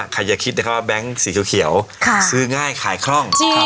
อย่าคิดนะครับว่าแบงค์สีเขียวซื้อง่ายขายคล่อง